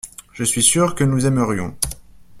Je suis sûr que nous aimerions.